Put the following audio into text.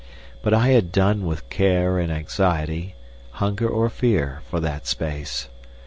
But I had done with care and anxiety, hunger or fear, for that space.